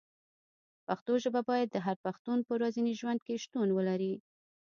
پښتو ژبه باید د هر پښتون په ورځني ژوند کې شتون ولري.